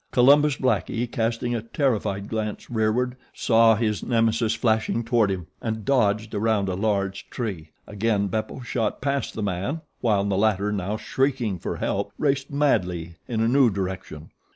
Columbus Blackie, casting a terrified glance rearward, saw his Nemesis flashing toward him, and dodged around a large tree. Again Beppo shot past the man while the latter, now shrieking for help, raced madly in a new direction.